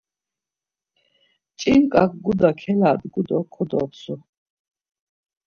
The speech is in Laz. Ç̌inǩak guda keladu do kodopsu.